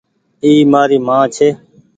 اي مآري مان ڇي۔